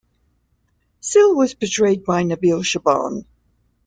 Sil was portrayed by Nabil Shaban.